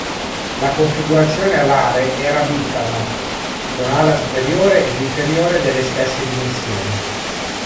La configurazione alare era biplana, con ala superiore ed inferiore delle stesse dimensioni.